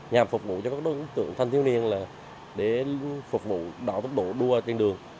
nhằm phục vụ cho các đối tượng thanh thiếu niên để phục vụ đo tốc độ đua trên đường